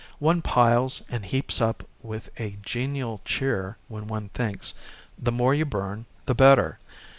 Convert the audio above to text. One piles and heaps up with a genial cheer when one thinks, "The more you burn, the better."